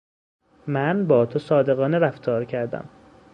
من با تو صادقانه رفتار کردم